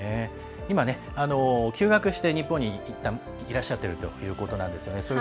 今、休学して日本に、いったんいらっしゃっているということなんですよね。